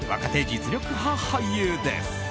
実力派俳優です。